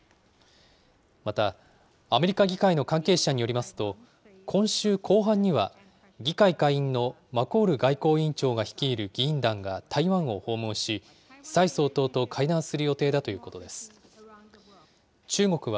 またアメリカ議会の関係者によりますと、今週後半には、議会下院のマコール外交委員長が率いる議員団が台湾を訪問し、蔡総統と会談する予定だということです。